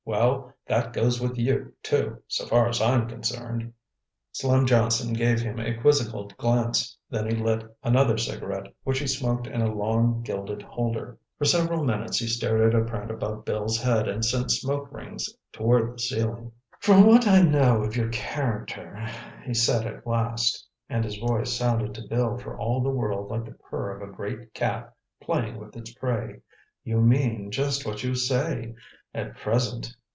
Well, that goes with you too, so far as I'm concerned." Slim Johnson gave him a quizzical glance. Then he lit another cigarette, which he smoked in a long gilded holder. For several minutes he stared at a print above Bill's head and sent smoke rings toward the ceiling. "From what I know of your character," he said at last, and his voice sounded to Bill for all the world like the purr of a great cat playing with its prey, "you mean just what you say—at present.